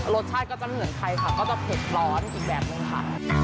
รสชาติก็จะไม่เหมือนใครค่ะก็จะเผ็ดร้อนอีกแบบนึงค่ะ